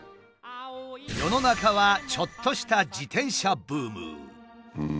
世の中はちょっとした自転車ブーム。